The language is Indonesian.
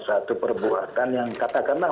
suatu perbuatan yang katakanlah